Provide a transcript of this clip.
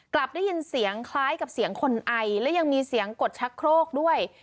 กลับได้ยินเสียงคล้ายกับเสียงคนไอและยังมีเสียงกดชักโครกด้วย